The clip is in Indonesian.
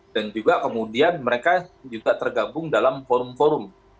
dan juga kemudian mereka juga tergabung dalam forum forum